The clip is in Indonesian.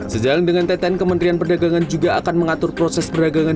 sejalan dengan teten kementerian perdagangan juga akan mengatur proses perdagangan